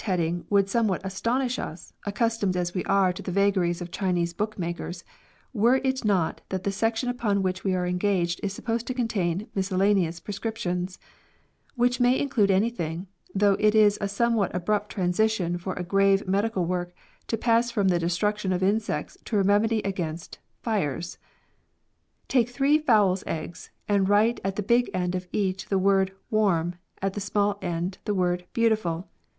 43 heading would somewhat astonish us, accustomed as we are to the vagaries of Chinese book makers, were it not that the section upon which we are engaged is supposed to contain "miscellaneous" prescriptions, which may include anything, though it is a somewhat abrupt transition for a grave medical work to pass from the destruction of insects to a remedy against fires !" Take three fowl's ieggs, and write at the big end of each the word ivarm, at the small end the word beautiful.